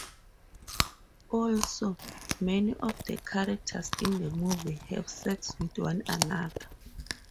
Also, many of the characters in the movie have sex with one another.